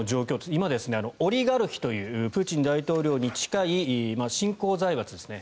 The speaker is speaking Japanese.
今、オリガルヒというプーチン大統領に近い新興財閥ですね。